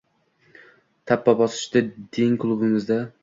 Tappa bosishdi deng klubimizda